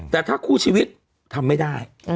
แต่ถ้าคู่ชีวิตทำไม่ได้